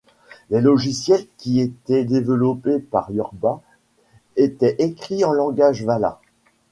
Les logiciels qui était développés par Yorba était écrits en langage Vala.